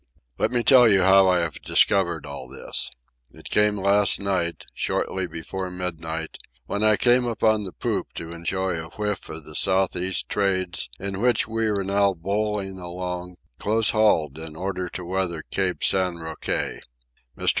Let me tell how I have discovered all this. It was last night, shortly before midnight, when I came up on the poop to enjoy a whiff of the south east trades in which we are now bowling along, close hauled in order to weather Cape San Roque. Mr.